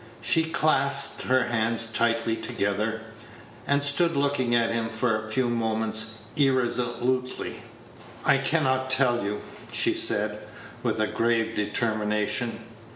She clasped her hands tightly together, and stood looking at him for a few moments irresolutely. "I can not tell you," she said, with grave determination.